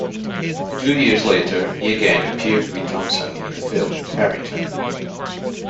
Two years later he again appeared with Thompson in the film "Carrington".